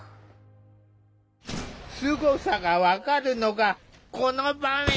すごさが分かるのがこの場面。